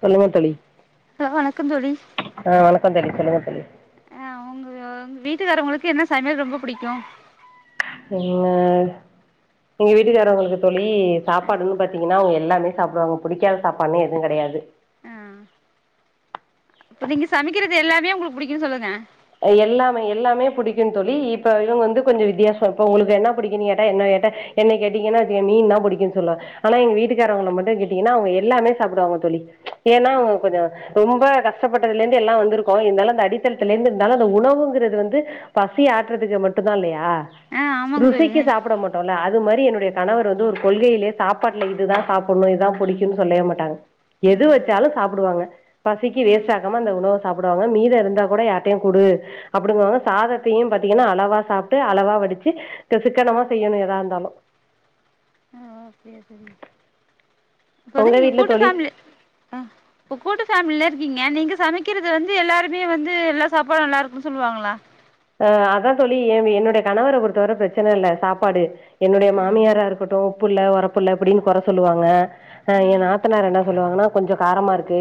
சொல்லுங்கோ தோழி ஹலோ வணக்கம் தோழி ஆ வணக்கோ தோழி சொல்லுங்க தோழி உங் வீட்டுக்காரவங்களுக்கு என்ன சமையல் ரொம்ப புடிக்கு என்ன எங்க வீட்டுக்காரவங்களுக்கு தோழி சாப்பாடுன்னு பாத்தீங்கன்னா அவங்க எல்லாமே சாப்புடுவாங்க புடிக்காத சாப்பாடுன்னே எது கெடையாது இப்ப நீங்க சமைக்கிறது எல்லாமே உங்களுக்கு புடிக்கும்முன்னு சொல்லுங்க எல்லாமே எல்லாமே புடிக்கும் தோழி இப்ப இவங்க வந்து கொஞ்ச வித்தியாசோ இப்ப உங்களுக்கு என்ன பிடிக்குணு கேட்டா என்ன கேட்டா என்ன கேட்டீங்கன்னா வெச்சுங்க மீன் தா புடிக்குன் சொல்லுவா ஆனா எங்க வீக்காரங்கள மட்டும் கேட்டீங்கன்னா அவுங்க எல்லாமே சாப்டுவாங்க தோழி ஏன்னா அவங்க கொஞ்சோ ரொம்ப கஷ்டப்பட்டதுலேந்து எல்லா வந்திருக்கோ இந்தாலு அந்த அடித்தளத்துலேந்து தாலு அந்த உணவுங்கிறது வந்து பசி ஆற்றுறதுக்கு மட்டுந்தா இல்லையா ஆ ஆமாங்க தோழி ருசிக்கு ஆ சாப்பிட மட் ட்டோல அது மாரி என்னுடைய கணவர் வந்து ஒரு கொள்கையிலே சாப்பாட்டுல இதுதா சாப்ட்ணும் இதுதா புடிக்கும்ன்னு சொல்லயே மாட்டாங்க எது ஆ வெச்சாலு சாப்டுவாங்க பசிக்கு ஆ வேஸ்ட் ஆக்காம அந்த உணவ சாப்டுவாங்க மீத இருந்தா கூட யார் டயு குடு அப்டிம்பாங்க சாதத்தையும் பாத்தீங்கன்னா அளவா சாப்ட்டு அளவா வடிச்சு சிக்கனமா செய்யணு எதா இந்தாலு அ பேசுங்க இப்ப வந்து உங்க நீங்க வீட்ல கூட்டு தோழி பேமிலி ஆ இப்ப கூட்டு ஃபேமிலில இருக்கீங்க நீங்க சமைக்கிறது வந்து எல்லாருமே வந்து எல்லா சாப்பாடு நல்லா இருக்குன்னு சொல்லுவாங்களா ஆ அதான் தோழி என்னுடைய கணவர பொறுத்தவர பிரச்சன இல்ல சாப்பாடு என்னுடைய ம் மாமியாரா இருக்கட்டு உப்புல்ல ஒரப்புல்ல அப்டின்னு கொர சொல்லுவாங்க ஆ ஏ ம் நாத்தனார் என்ன சொல்லுவாங்கன்னா கொஞ்சோ காரமா இருக்கு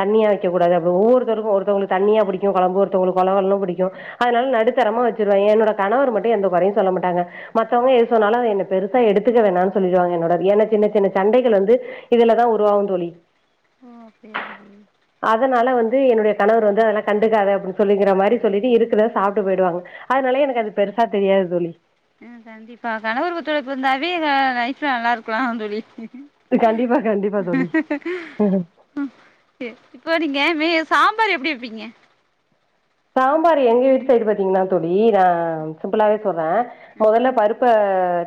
தண்ணியா வக்க கூடாதா அப்டி ஒவ்வொருத்தருக்கு ஒருத்தவங்களுக்கு தண்ணியா புடிக்கும் கொழம்பு ஒருத்தவளுக்கு வழவழன்னு புடிக்கு அதனால நடுத்தரமா வச்சுருவே என்னோட கணவர் மட்டும் எந்த கொறையும் சொல்ல மாட்டாங்க மத்தவங்க எது சொன்னாலு அத என்ன பெருசா எடுத்துக்க வேணான்னு சொல்லிடுவாங்க என்னோட ஏன்னா சின்ன சின்ன சண்டைகள் வந்து இதுலதா உருவாகு தோழி ஓ அப்டியா தோழி அதனால வந்து என்னுடைய கணவர் வந்து அதெல்லாம கண்டுக்காத அப்டின்னு சொல்லிங்கிற மாரி சொல்லிட்டு இருக்குற சாப்ட்டு போயிடுவாங்க அதனால எனக்கு அது பெருசா தெரியாது தோழி ஹ கண்டிப்பா கணவர் ஒத்துழைப்பு இருந்தாவே லைஃப்ல நல்லா இருக்கலா தோழி கண்டிப்பா, கண்டிப்பா தோழி. ஹோ சரி இப்போ நீங்க மே சாம்பார் எப்டி வப்பீங்க சாம்பார் எங்க வீட்டு சைடு பாத்தீங்கன்னா தோழி நா சிம்பிளாவே சொல்றே மொதல்ல பருப் ப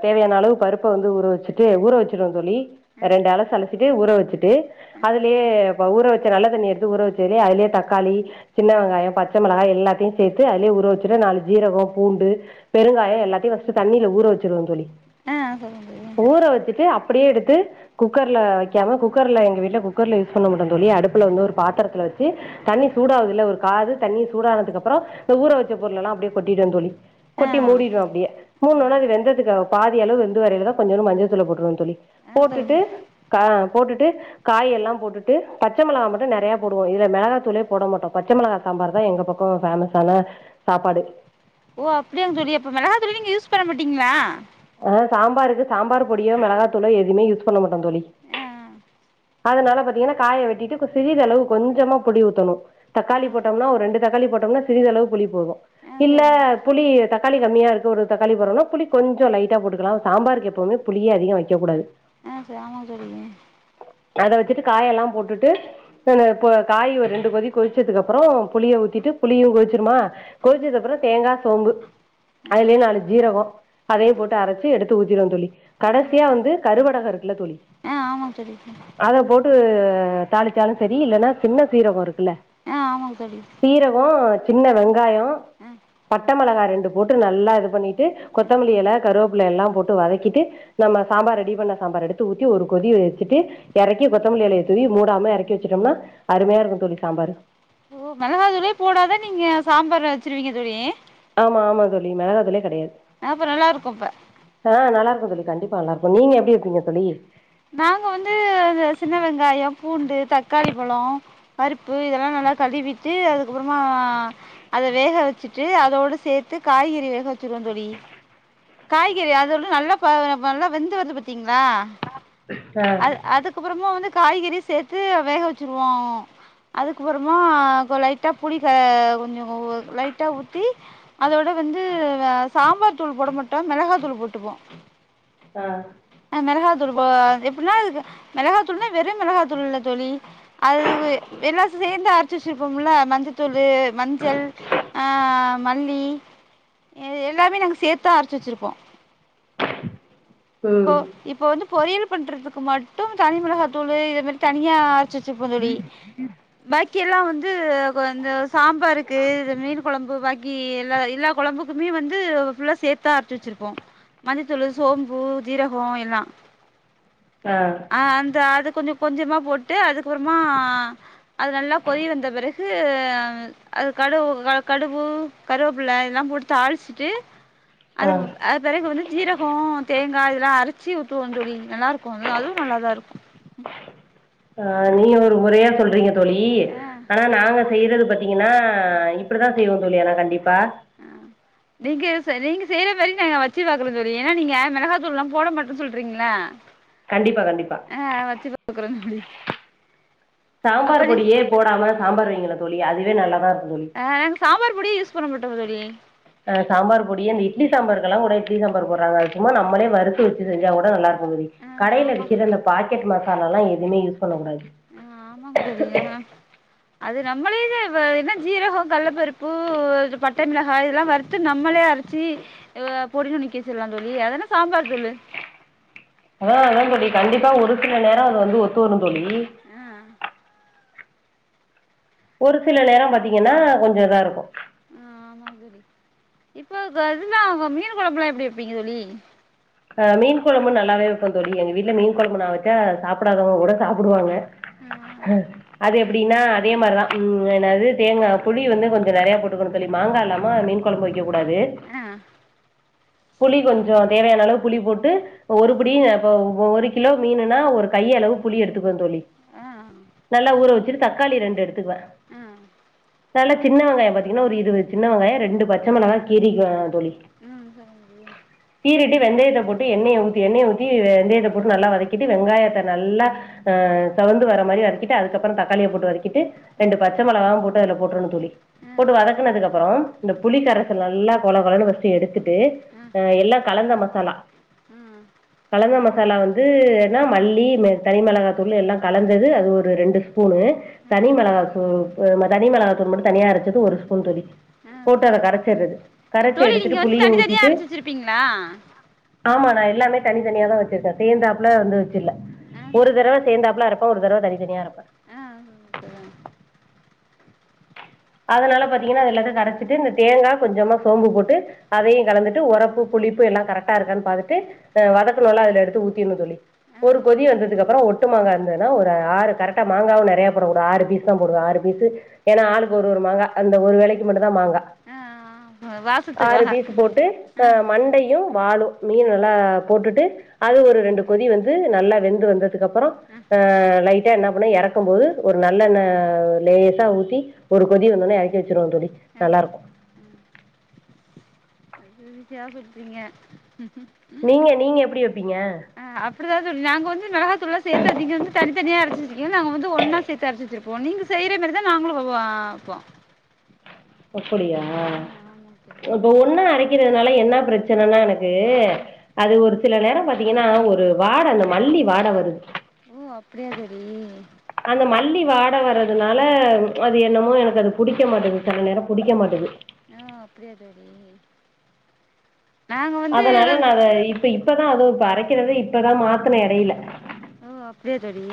தேவையான அளவு பருப்ப வந்து ஊற வச்சுட்டு ஊற வச்சிருவே தோழி ஆ ரெண்டு அலசு அல சிட்டு ஊற வச்சுட்டு ஆ அதுலயே சொல்லுங்க ப ஊற வச் ச நல்ல தண்ணி எடுத்து ஊற வச்சதுலயே அதுலயே தக்காளி சின்ன வெங்காயம் பச் சமிளகா எல்லாத்தையு சேத்து அதலயே ஊர வச்சுட்டு நாலு ஜீரகம் பூண்டு பெருங்காயம் எல்லாத்தையு பர்ஸ்டு தண்ணில ஊற வச்சிருவோ தோழி ஆஹ் சொல்லுங்க சொல்லுங்க ஊற வச்சுட்டு அப்டியே எடுத்து குக்கர்ல வைக்காம குக்கர்ல எங்க வீட்ல குக்கர்ல்ல யூஸ் பண்ண மாட்டோ தோழி அடுப்புல வந்து ஒரு பாத்திரத்துல வச்சு தண்ணி சூடாவதுல்ல ஒரு காது தண்ணி சூடானதுக்கப் றோ இந்த ஊர வச்ச பொருலல்லா அப்டியே கொட்டிடுவ தோழி ஆ கொட்டி மூடிடுவ அப்டியே ஆ மூடுனோன்னா அது வெந்ததுக்கு பாதி அளவு வெந்து வரயிலதா கொஞ்சோன்னு மஞ்சத்தூள போட்டுருவ தோழி ஆ போட்டுட்டு சொல்லுங்க க ஆ போட்டுட்டு காய் எல்லாம் போட்டுட்டு பச்சமிளகா மட்டு நெறயா போடுவோ இதுல மெளகாதூளே போட மாட்டோ பச்சமெளகா சாம்பார் தா எங்க பக்கோ ஃபேமஸான சாப்பாடு ஓ அப்டியாங்க தோழி அப்ப மெளகாதூளே நீங்க யூஸ் பண்ண மாட்டீங்ளா ஆஹ் சாம்பார்க்கு சாம்பார் பொடியோ மெளகாதூளோ எதுமே யூஸ் பண்ண மாட்டோ தோழி ஆஹ் அதனால பாத்தீங்கன்னா காய வெட்டிட்டு சிறிதளவு கொஞ்சமா புளி ஊத்தணு ஆ தக்காளி போட்டோம்னா ஒரு ரெண்டு தக்காளி போட்டோம்ன்னா சிறிதளவு புளி போது ஆ இல்ல சரிங்க புளி தக்காளி கம்மியா இருக்கு ஒரு தக்காளி போறோனா புளி கொஞ்சோ லைட் டா போட்டுக்கலா சாம்பாருக்கு எப்பவுமே புளியே அதிகோ வெக்ககூடாது ஆ ச ஆமா தோழி அத வெச்சிட்டு காயெல்லா போட்டுட்டு அஹ் நா இப்போ காய் ஒரு ரெண்டு கொதி கொதிச்சதுக்கு அப்புறோ புளிய ஊத்திட்டு புளியு கொதிச்சிருமா கொதிச்சதுக்கு அப்புறோ தேங்கா சோம்பு ஆ அதுலயே நாலு ஜீரகோ ஆ அதையும் போட் டு அரச்சு எடுத்து ஊத்திறுவோ தோழி ஆ கடைசியா வந்து கருவடகோ இருக்குல்ல தோழி ஆமாங் தோழி அத போட்டு தாளிச்சாலு சரி இல்லன்னா சின்ன சீரகோ இருக்குல்ல ஆ ஆமாங் தோழி சீரகோ சின்ன வெங்காயோ ஆ பட்ட மிளகா ரெண்டு போட்டு நல்லா இது பண்ணிட்டு கொத்தமல்லி எல கருவப்பில்ல எல்லா போட்டு வதக்கிட்டு நம்ம சாம்பார் ரெடி பண்ண சாம்பார் எடுத்து ஊத்தி ஒரு கொதி வெச்சுட்டு எறக்கி கொத்தமல்லி எலைய தூவி மூடாம எறக்கி வெச்சுட்டோம்னா அருமையா இருக்கு தோழி சாம்பாரு ஓ மிளகாதூளே போடாதா நீங்க சாம்பார் வெச்சிருவீங்க தோழி ஆமா ஆமா தோழி மெளகாதூளே கெடையாது ஆ அப்ப நல்லா இருக்கு அப்ப ஆ நல்லா இருக்கு தோழி கண்டிப்பா நல்லா இருக்கு நீங்க எப்டி வெப்பீங்க தோழி நாங்க வந்து அ சின்ன வெங்காயம் பூண்டு தக்காளி பழோ பருப்பு இதெல்லா நல்லா கழுவிட்டு அதுக்கு அப்புறமா அத வேக வெச்சிட்டு அதோட சேத்து காய்கறி வேக வெச்சிருவோ தோழி காய்கறி அதுல நல்லா ப நல்ல ப வெந்து வருது பாத்தீங்களா ஆ அது அதுக்கு அப்புறமா வந்து காய்கறி சேத்து வேக வெச்சிருவோ அதுக்கப்புறமா கொ லைட்டா புளி க கொஞ்சோ கோ லைட்டா ஊத்தி அதோட வந்து சாம்பார் தூள் போட மட்டோ மெளகா தூள் போட்டுப்போ க அ மெளகா தூள் போ எப்டின்னா மெளகாத்தூள்னா வெறும் மெளகாய்தூள் இல்ல தோழி அதுவு எல்லா சேந்து அரைச்சி வெச்சிருப்போம் இல்ல மஞ்ச தூளு மஞ்சள் ஆ மல்லி எல்லாமே நாங்க சேத்து தா அரைச்சி வெச்சிருப்போ ம் இப்போ இப்போ வந்து பொறியியல் பண்றதுக்கு மட்டு தனிமிளகாய்தூளு இந்த மாரி தனியா அரைச்சு வெச்சிருக்போம் தோழி பாக்கி எல்லா வந்து க்கு கொஞ்சோ சாம்பாருக்கு இந்த மீன் கொழம்பு வக்க கி எல்லா எல்லா கொழம்புக்குமே வந்து ஃபுல்லா சேத்தா அரைச்சி வெச்சிருப்போ மஞ்ச தூளு சோம் பு சிரகோ எல்லா ஆ ஆ அந்த அது கொஞ்ச கொஞ்சமா போட்டு அதுக்கு அப்புறமா அது நல்லா கொதி வந்த பெறகு அது கடுவு கடுவு கருவேப்பில்ல இதெல்லா போட்டு தாளீச்சிட்டு ஆ அதுக்கு அது பெறகு வந்து சிரகோ தேங்கா இதெல்லா அரைச்சி ஊத்துவோம் தோழி நல்லா இருக்கு அ அதுவு நல்லா தா இருக்கு ஆ நீ ஒரு முறையா சொல்றீங்க தோழி ஆ ஆனா நாங்க செய்யிறது பாத்தீங்கன்னா இப்படித்தா செய்வோ தோழி ஆனா கண்டிப்பா ஆ நீங்க சரி நீங்க செய்றா மாரி நாங்க வச்சு பாக்குறோ தோழி ஏன்னா நீங்க மிளகாய்தூள்லா போட மாட்டோ சொல்றீங்ளா [unintelligible] கண்டிப்பா கண்டிப்பா ஆ வச்சி பாக்குறோ தோழி அப்ப சாம்பார் நீ பொடியே போடாம சாம்பார் வெய்யுங்களே தோழி அதுவே நல்லாதா இருக்கு தோழி அ நாங்க சாம்பார் பொடியே யூஸ் பண்ண மாட்டோ தோழி அ சாம்பார் பொடி அந்த இட்லி சாம்பார்க்கெல்லா கூட இட்லி சாம்பார் போட்றாங்க அது சும்மா நம்மளே வறுத்து வெச்சி செஞ்சா கூட நல்லா இருக்கு தோழி ஆ கடையில ஆமா விக்கிற அந்த பாக்கெட் மசாலால்லா எதுவுமே யூஸ் பண்ண கூடாது அ ஆமாக்கு தோழி அது நம்மளே தா என்ன சீரகோ கல்லப்பருப்பு பட்ட மிளகா இதெல்லா வறுத்து நம்மளே அர ச்சி அ பொடி பண்ணி வெக்கலா தோழி அதானே சாம்பார் தூள்ளு அதா அதா தோழி கண்டிப்பா ஒருசில நேரோ அது வந்து ஒத்து வரும் தோழி அ ஒரு சில நேரோ பாத்தீங்கன்னா கொஞ்சோ இதா இருக்கு ஆ ஆமாங் தோழி இப்ப இத இதுல்லா மீன் கொழம்புல்லா எப்டி வெப்பீங்க தோழி ஆ மீன் கொழம்பு நல்லாவே வெப்பே தோழி எங்க வீட்டுல மீன் கொழம்பு நா வெச்சா சாப்புடாதவங்க கூட சாப்புடுவாங்க அ ஹ அது எப்டின்னா அதே மார்தா ம் என்னாது தேங்காய் புளி வந்து கொஞ்ச நெறையா போட்டுக்கணு தோழி மாங்கா இல்லாம மீன் கொழம்பு வைக்ககூடாது ஆ புளி கொஞ்சோ தேவையான அளவு புளி போட்டு ஒருபடி ஒரு கிலோ மீனுன்னா ஒரு கையளவு புளி எடுத்துக்கோ தோழி ஆ ஆ நல்லா ஊற வச்சுட்டு தக்காளி ரெண்டு எடுத்துக்குவே ஆ நல்லா சின்ன வெங்காயோ பாத்தீங்கன்னா ஒரு இருவது சின்ன வெங்காயோ ரெண்டு பச்ச மொளகா கீரிக்குவ தோழி ம் சொல்லுங்க ப்ரோ தீறிட்டு வெந்தயத்த போட்டு எண்ணெய ஊத்தி எண்ணெய ஊத்தி வெந்தயத்த போட்டு நல்லா வதக்கிட்டு வெங்காயத்த நல்லா ஆ செவந்து வர மாரி வதக்கிட்டு அதுக்கப்றோ தக்காளிய போட்டு வதக்கிட்டு ரெண்டு பச்ச மொளகாவு போட்டு அதுல போட்றணு தோழி ஆ போட்டு சொல்லுங்க வதக்குனதுக்கு அப்பறோ இந்த புளிக்கரசல் நல்லா கொல கொலன்னு ஃபர்ஸ்ட்டு எடுத்துட்டு தோழி ஆ அ எல்லா கலந்த மசாலா ஆ கலந்த மசாலா வந்துன்னா மல்லி தனி மெளகாதூள் எல்லா கலந்தது அது ஒரு ரெண்டு ஸ்பூனு ஆ தனி மெளகா தூ தனி மெளகா தூள் மட்டு தனியா அரைச்சது ஒரு ஸ்பூன் தோழி ஆ போட்டு அத சரி கரச்சறது கரச்சு எடுத்துட்டு புளியு ஊத்திட்டு பிங்ளா ஆமா நா எல்லாமே தனி தனியா தா வச்சிருக்க சேர்ந்தாப்புல வந்து வச்சுல்ல ஆ ஒரு சரி சரி தடவ சேந்தாப்புல அரப்ப ஒரு தடவ தனி தனியா அரப்ப ஆ சொல்லுங்க சொல்லுங்க அதனால பாத்தீங்கன்னா அது எல்லாமே கரச்சிட்டு இந்த தேங்கா கொஞ்சமா சோம்பு போட்டு அதையு கலந்துட்டு ஒரப்பு புளிப்பு எல்லா கரட்டா இருக்கான்னு பாத்துட்டு அ வதக்கனோல்ல அதுல எடுத்து ஊத்திருனு தோழி ஒரு கொதி ஆ வந்ததுக்கு அப்பறோ ஒட்டு மாங்கா இருந்ததுன்னா ஒரு ஆறு கரெட்டா மாங்காவு நெறையா போடகூடா ஆறு பீஸ் தா போடுவ ஆறு பீசு ஏன்னா ஆளுக்கு ஒரு ஒரு மாங்க அந்த ஒரு வேலைக்கு மட்டு தா மாங்கா ஆ ஆறு வாசத்துக்காக பீஸ் போட்டு ஆ மண்டயும் வாலு மீன் நல்லா போட்டுட்டு அது ஆ ஒரு ரெண்டு கொதி வந்து நல்லா வெந்து வந்ததுக்கு அப்றோ ஆ லைட்டா என்ன பண்ண எறக்க போது ஒரு நல்லெண்ண லேசா ஊத்தி ஒரு கொதி வந்தோனே எறக்கி வச்சுருவ தோழி ஆ நல்லா இருக்கு பூசியா [unintelligible] ங்க நீங்க நீங்க எப்டி வப்பீங்க அ அப்டிதா தோழி நாங்க வந்து மெளகாதூள்லா சேத்து நீங்க வந்து தனிதனியா அரைச்சிருக்கிங்க நாங்க வந்து ஒன்னா சேத்து அரச்சி வச்சிருப்போ நீங்க செய்ற மேரிதா நாங்களும் [unintelligible] அப்படியா ஆ ஆமா தோழி இப்ப ஒண்ணா அரக்கிறதுனால என்ன பிரச்சனனா எனக்கு ஆ அது ஒரு சில நேரோ பாத்தீங்கன்னா ஒரு வாட அந்த மல்லி வாட வருது ஓ அப்டியா தோழி அந்த மல்லி வாட வரதுனால அது என்னமோ எனக்கு அது புடிக்க மாட்டது செல நேரோ புடிக்க மாட்டது அப்டியா தோழி நாங்க வந்து அதனால நா அத இப்ப இப்பதா அதுவு ‌இப்ப அரைக்கிறத இப்பதா மாத்துன எடைல ஓ அப்டியா தோழி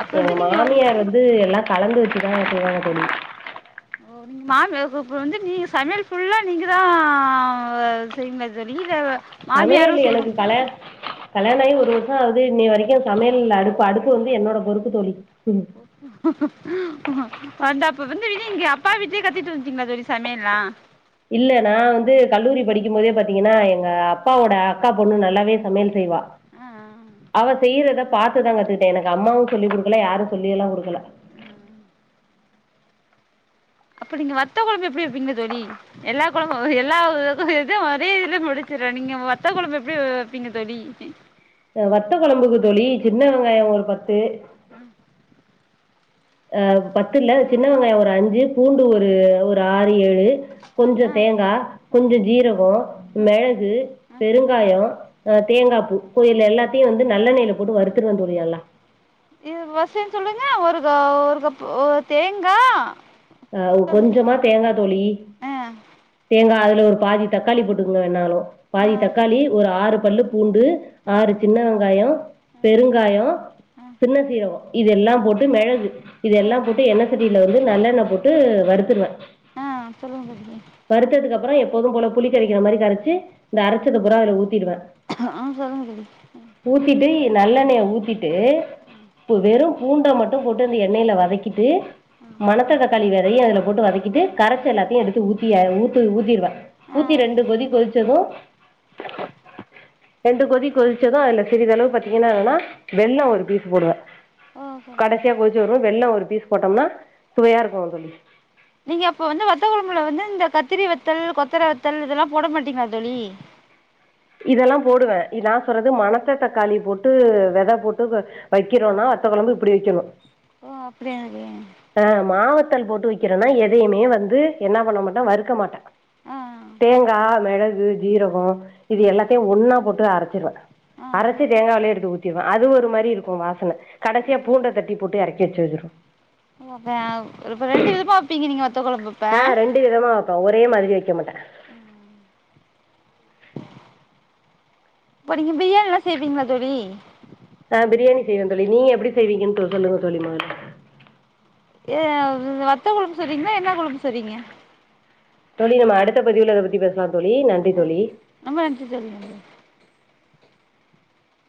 அப்ப எங்க வந்து நீங்க மாமியார் வந்து எல்லா கலந்து வச்சுதா செய்வாங்க தோழி இப்போ நீங்க மாமியார் கூப் வந்து நீங்க சமையல் ஃபுல்லா நீங்கதா செய்விங்ளா தோழி இல்ல சமையல் மாமியாரு செய்வாங் எனக்கு கல கல்யாண ஆயி ஒரு வருஷோ ஆவுது இன்னய வரைக்கு சமையல்ல அடுப்பு அடுப்பு வந்து என்னோட பொறுப்பு தோழி வந்து அப்ப வந்து இங்க அப்பா வீட்லே கத்துட்டு வந்ட்டீங்களா தோழி சமையல்லா இல்ல நா வந்து கல்லூரி படிக்கும்போதே பாத்தீகன்னா எங்க அப்பா ஓட அக்கா பொண்ணு நல்லாவே சமையல் செய்வா அ அவ செய்யறத பாத்துதா கத்துக்கிட்ட எனக்கு அம்மாவு சொல்லி குடுக்கல யாரு சொல்லியலா குடுக்கல அப்ப நீங்க வத்த கொழம்பு எப்டி வப்பீங்க தோழி எல்லா கொழம்பு எல்லா இது ஒரே இதுல முடிச்சுர்றே நீங்க வத்த கெழம்பு எப்டி வெப்பீங்க தோழி வத்தக் கொழம்புக்கு தோழி சின்ன வெங்காயோ ஒரு பத்து அ பத்துல்ல சின்ன வெங்காயோ ஒரு அஞ்சு பூண்டு ஒரு ஒரு ஆறு ஏழு கொஞ்சோ ஆ தேங்கா ஆ கொஞ்சோ ஜீரகோ ஆ மெளகு ஆ பெருங்காயோ ஆ தேங்கா பூ இப்போ இல் எல்லாத்தையு வந்து நல்லெண்ணெய்ல போட்டு வறுத்துருவே தோழி நல்லா அ ஃபஸ்லேந்து சொல்லுங்க ஒரு க ஒரு கப் தேங்கா ஆ கொஞ்சமா தேங்கா தோழி ஆ தேங்கா அதுல ஒரு பாதி தக்காளி போட்டுக்குங்க வேணாலு ஆ ஆ பாதி தக்காளி ஒரு ஆறு பல்லு பூண்டு ஆ ஆறு சின்ன வெங்காயோ பெருங்காயோ ஆ சின்ன சீரகோ இது எல்லா போட்டு மெளகு இது எல்லா ஆ போட்டு எண்ண சட்டில வந்து நல்லெண்ண போட் டு வறுத்துருவே ஆ அப்பறோ தோழி வறுத்ததுக்கப்றோ எப்போது போல புளி கரைக்கிற மாரி கரைச்சி இந்த அரச்சத பூரா அதுல ஊத்திடுவே ஆ சொல்லுங்க தோழி ஊத்திட்டு நல்லண்ணய ஊத்திட்டு வெறு பூண்ட மட்டு போட்டு அந்த எண்ணெயில வதக்கிட்டு ஆ மணத்த தக்காளி வெதையு அதுல போட்டு வதக்கிட்டு கரைச்சு எல்லாத்தையு எடுத்து ஊத் தி அது ஊத்து ஊத்திருவேன் ஆ ஊத்தி ரெண்டு கொதி கொதிச்சதூ ரெண்டு கொதி கொதிச்சதூ அதுல சிறிதளவு பாத்தீங்கனா வேணா வெல்லோ ஒரு பீஸு போடுவே ஓ சொல்லுங்க கடைசியா கொதிச்சு வரு வெல்ல ஒரு பீஸ் போட்டோம்னா சுவையா இருக்கூ தோழி நீங்க அப்ப வந்து வத்த கொழம்புல வந்து இந்த கத்திரி வத்தல் கொத்தர வத்தல் இதெல்லா போட மாட்டீங்ளா தோழி இதெல்லா போடுவேன் நா சொறது மணத்த தக்காளி போட்டு வெத போட்டு வெக்கிறோனா வத்த கொழம்பு இப்டி வெக்கணு ஓ அப்டியாவே ஆ மாவத்தல் போட்டு வெக்கிறனா எதையுமே வந்து என்ன பண்ண மாட்டே வறுக்க மாட்டே ஆ தேங்கா மெளகு ஜீரகோ இது எல்லாத்தையு ஒன்னா போட்டு அரைச்சிருவே ஆ அரைச்சி தேங்காலயே எடுத்து ஊத்திருவே அது ஒரு மாரி இருக்கூ வாசன கடைசியா பூண்ட தட்டி போட்டு எறக்கி வச்சுரு ப்ப ரெண்டு விதமா வப்பீங்க நீங்க வத்த குழம்ப அப்ப ண்டு விதமா வப்பே ஒரே மாதிரி வெக்க மாட்டே இப்ப நீங்க பிரியாணிலா செய்வீங்களா தோழி ஆ பிரியாணி செய்வே தோழி நீங்க எப்டி செய்வீங்கன் சொ சொல்லுங்க தோழி மொதல மொதல்ல ஏவ் வத்த கொழம்பு சொறீங்ளா என்ன கொழம்பு சொறீங்க தோழி நம்ம அடுத்த பதிவுல அத பத்தி பேசலா தோழி நன்றி தோழி ரொம்ப நன்றி தோழி நன்றி